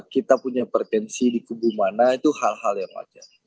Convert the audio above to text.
kita punya potensi di kubu mana itu hal hal yang wajar